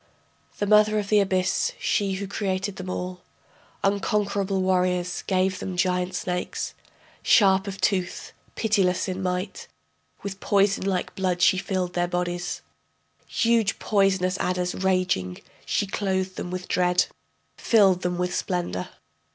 The mother of the abyss, she who created them all, Unconquerable warriors, gave them giant snakes, Sharp of tooth, pitiless in might, With poison like blood she filled their bodies, Huge poisonous adders raging, she clothed them with dread, Filled them with splendor....